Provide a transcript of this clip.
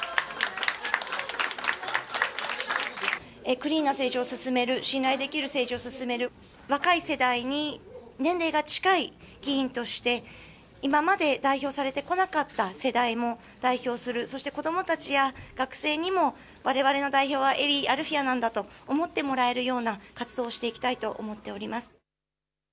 クリーンな政治を進める、信頼できる政治を進める、若い世代に年齢が近い議員として、今まで代表されてこなかった世代も代表する、そして子どもたちや学生にもわれわれの代表は英利アルフィヤなんだと思ってもらえるような活動をしていきたいと思っております。